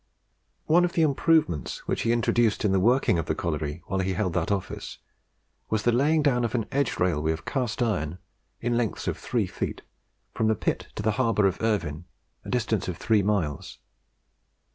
One of the improvements which he introduced in the working of the colliery, while he held that office, was the laying down of an edge railway of cast iron, in lengths of three feet, from the pit to the harbour of Irvine, a distance of three miles.